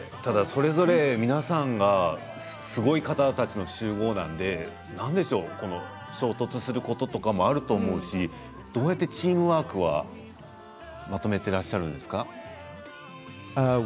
それぞれ皆さんがすごい方たちの集合なんで何でしょう、衝突することとかもあると思うんですがどうやってチームワークをまとめていらっしゃるんですか。